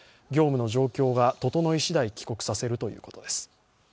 業務の状況が整いしだい帰国させるということです。